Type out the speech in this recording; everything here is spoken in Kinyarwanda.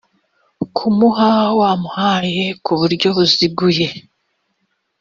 kumuha wamuhaye ku buryo buziguye